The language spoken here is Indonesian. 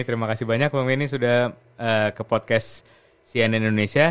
terima kasih banyak bang benny sudah ke podcast cnn indonesia